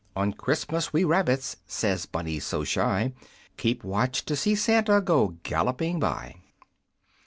"On Christmas we rabbits," says Bunny so shy, "Keep watch to see Santa go galloping by."